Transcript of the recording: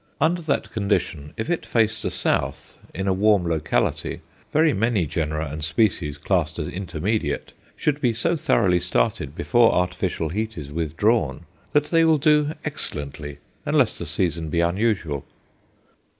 Under that condition, if it face the south, in a warm locality, very many genera and species classed as intermediate should be so thoroughly started before artificial heat is withdrawn that they will do excellently, unless the season be unusual.